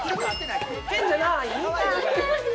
変じゃない？